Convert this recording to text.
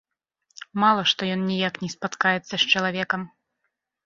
Мала, што ён ніяк не спаткаецца з чалавекам.